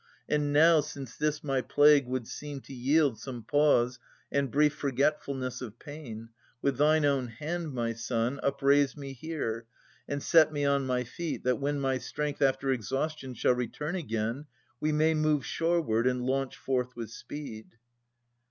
And now, since this my plague would seem to yield Some pause and brief forgetfulness of pain, With thine own hand, my son, upraise me here, And set me on my feet, that, when my strength After exhaustion shall return again, We may move shoreward and launch forth with speed.